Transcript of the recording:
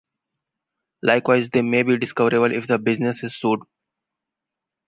Likewise, they "may" be discoverable if the business is sued.